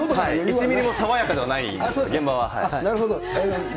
１ミリも爽やかではない、なるほど。